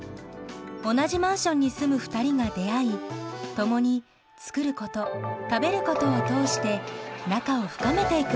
同じマンションに住む２人が出会い共に「作ること」「食べること」を通して仲を深めていく物語。